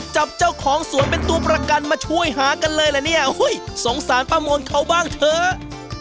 เจ้าของสวนเป็นตัวประกันมาช่วยหากันเลยล่ะเนี่ยสงสารป้ามนเขาบ้างเถอะ